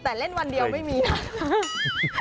แต่เล่นวันเดียวไม่มีค่ะ